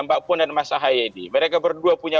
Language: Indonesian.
mbak puan dan mas ahayedi mereka berdua punya